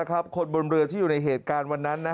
คนบนเรือที่อยู่ในเหตุการณ์วันนั้น